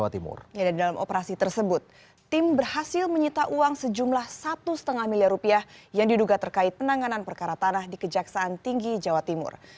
tim berhasil menyita uang sejumlah rp satu lima miliar rupiah yang diduga terkait penanganan perkara tanah di kejaksaan tinggi jawa timur